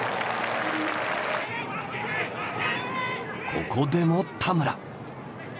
ここでも田村！